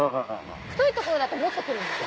太いところだともっと来るんですよ。